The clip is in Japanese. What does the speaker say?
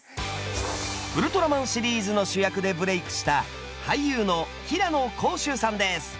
「ウルトラマン」シリーズの主役でブレークした俳優の平野宏周さんです。